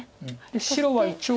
白は一応。